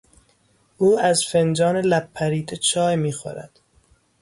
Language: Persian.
او از فنجان لب پریده چای میخورد.